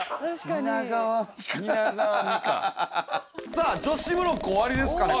さあ女子ブロック終わりですかね